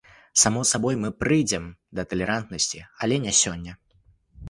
Само сабой, мы прыйдзем да талерантнасці, але не сёння.